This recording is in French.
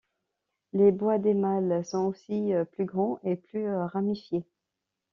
Les bois des mâles sont aussi plus grands et plus ramifiés.